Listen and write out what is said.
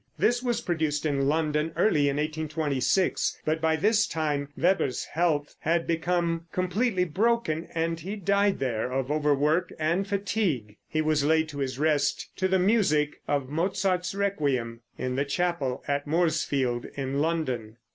This was produced in London early in 1826. But by this time Weber's health had become completely broken, and he died there of overwork and fatigue. He was laid to his rest, to the music of Mozart's Requiem, in the chapel at Moorsfields in London.